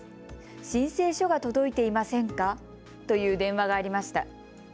申請書が届いていませんかという電話がありました。